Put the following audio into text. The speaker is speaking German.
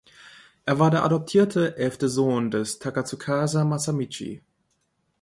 Er war der adoptierte elfte Sohn des Takatsukasa Masamichi.